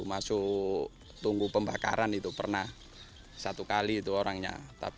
masuk tunggu pembakaran itu pernah satu kali itu orangnya